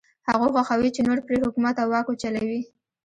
هغوی خوښوي چې نور پرې حکومت او واک وچلوي.